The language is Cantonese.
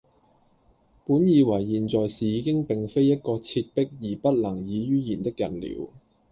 本以爲現在是已經並非一個切迫而不能已于言的人了，